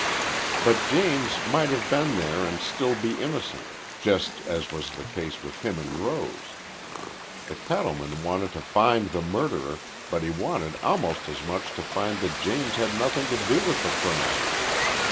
But James might have been there and still be innocent, just as was the case with him and Rose. The cattleman wanted to find the murderer, but he wanted almost as much to find that James had nothing to do with the crime.